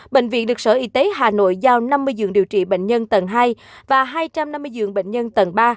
bệnh viện được sở y tế hà nội giao năm mươi giường điều trị bệnh nhân tầng hai và hai trăm năm mươi giường bệnh nhân tầng ba